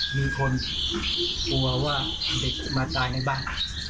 มีคนกลัวว่าเด็กจะมาตายในบ้าน